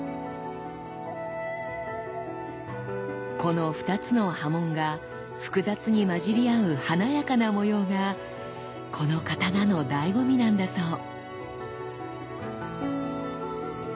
この２つの刃文が複雑に混じり合う華やかな模様がこの刀のだいご味なんだそう。